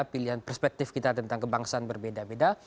pilihan perspektif kita tentang kebangsaan berbeda beda